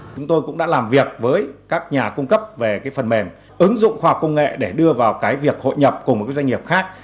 chúng tôi cũng đã làm việc với các nhà cung cấp về phần mềm ứng dụng khoa học công nghệ để đưa vào cái việc hội nhập cùng với các doanh nghiệp khác